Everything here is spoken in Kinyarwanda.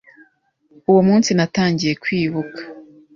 Uwo munsi natangiye kwibuka